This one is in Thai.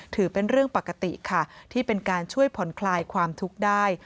ถือเป็นเรื่องปกติค่ะที่เป็นการช่วยผ่อนคลายความทุกข์ได้